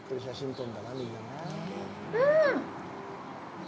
うん！